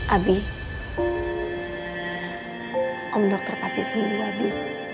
abi om dokter pasti sembuh abi